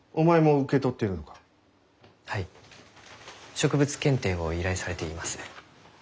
植物検定を依頼されています。